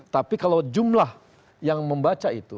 tapi kalau jumlah yang membaca itu